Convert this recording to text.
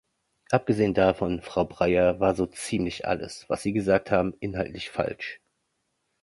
Abgesehen davon, Frau Breyer, war so ziemlich alles, was Sie gesagt haben, inhaltlich falsch!